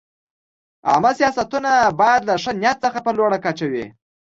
عامه سیاستونه باید له ښه نیت څخه په لوړه کچه وي.